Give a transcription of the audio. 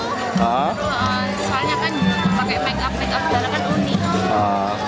soalnya kan pakai make up make updala kan unik